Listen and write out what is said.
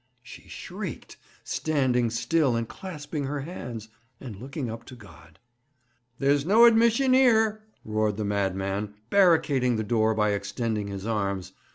She shrieked, standing still and clasping her hands, and looking up to God. 'There's no admission 'ere!' roared the madman, barricading the door by extending his arms.